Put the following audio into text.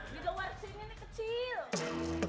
di luar sini nih kecil